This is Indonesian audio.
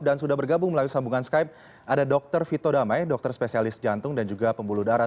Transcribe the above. dan sudah bergabung melalui sambungan skype ada dr vito damai dokter spesialis jantung dan juga pembuluh darah